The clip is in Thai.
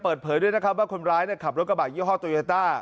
เปิดเผยด้วยนะครับว่าคนร้ายขับรถกระบะยี่ห้อโตยาต้า